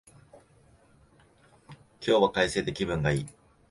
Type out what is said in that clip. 今日は快晴で気分がいい